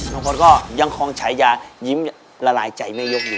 บางคนก็ยังคงฉายายิ้มละลายใจแม่ยกอยู่